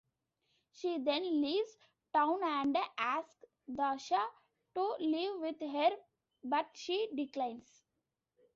She then leaves town and asks Tasha to leave with her but she declines.